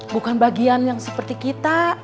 bukan bagian yang seperti kita